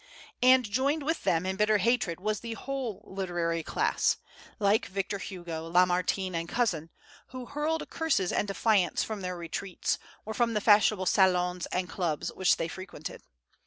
And joined with them in bitter hatred was the whole literary class, like Victor Hugo, Lamartine, and Cousin, who hurled curses and defiance from their retreats, or from the fashionable salons and clubs which they frequented.